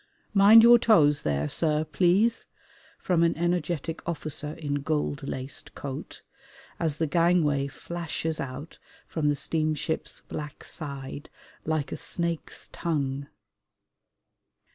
"Mind your toes there, sir, please," from an energetic officer in gold laced coat, as the gangway flashes out from the steamship's black side like a snake's tongue.